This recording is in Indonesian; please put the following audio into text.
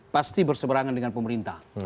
pasti berseberangan dengan pemerintah